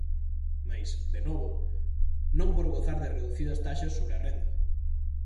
Mais, de novo, non por gozar de reducidas taxas sobre a renda.